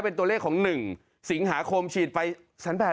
เป็นตัวเลขของ๑สิงหาคมฉีดไป๑๘๐๐๐๐บาทเหรอ